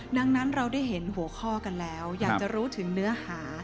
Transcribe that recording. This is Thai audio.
ดังนั้นเราได้เห็นหัวข้อกันแล้วอยากจะรู้ถึงเนื้อหา